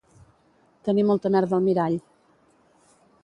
Tenir molta merda al mirall